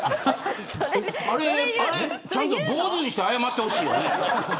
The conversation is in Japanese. あれ、ちゃんと坊主にして謝ってほしいよね。